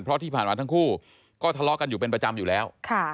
เพราะที่ผ่านมาทั้งคู่ก็ทะเลาะกันอยู่เป็นประจำอยู่แล้ว